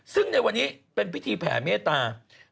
ซึ่งในวันนี้เป็นพิธีแผ่เมตตา